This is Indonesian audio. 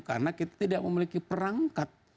karena kita tidak memiliki perangkat